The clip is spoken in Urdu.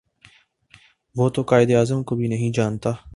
وہ تو قاہد اعظم کو بھی نہیں جانتا